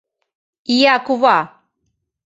Ия кува!